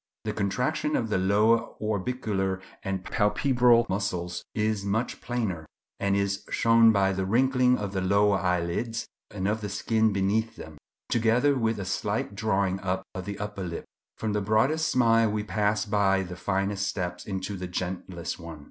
The contraction of the lower orbicular and palpebral muscles is much plainer, and is shown by the wrinkling of the lower eyelids and of the skin beneath them, together with a slight drawing up of the upper lip. From the broadest smile we pass by the finest steps into the gentlest one.